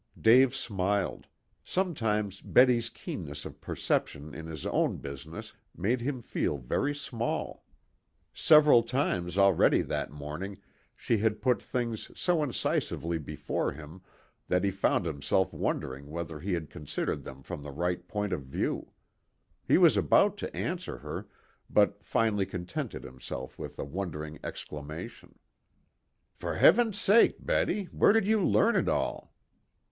Dave smiled. Sometimes Betty's keenness of perception in his own business made him feel very small. Several times already that morning she had put things so incisively before him that he found himself wondering whether he had considered them from the right point of view. He was about to answer her, but finally contented himself with a wondering exclamation. "For Heaven's sake, Betty, where did you learn it all?"